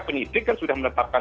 penyidik kan sudah menetapkan